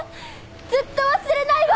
ずっと忘れないわ！